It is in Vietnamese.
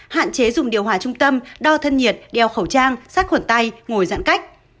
hạn chế dùng điều hòa trung tâm đo thân nhiệt đeo khẩu trang sát khuẩn tay ngồi giãn cách